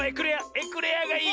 エクレアがいい！